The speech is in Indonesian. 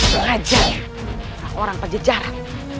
mereka adalah orang yang berjajaran